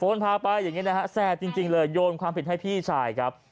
โฟนพาไปอย่างนี้แสบจริงเลยโยนความผิดให้พี่ชาย